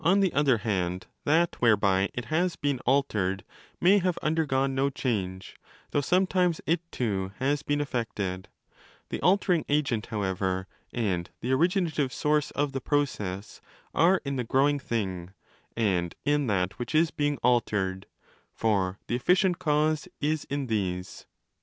e. the substance of the shin. ᾿ 321" DE GENERATIONE ET CORRUPTIONE hand, that 'whereby' it has been 'altered' may have under gone no change, though sometimes it too has been affected. The altering agent, however, and the originative source of the process are in the growing thing and in that which is being ' altered': for the efficient cause is in these.